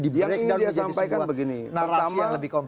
dan menjadi sebuah narasi yang lebih kompleks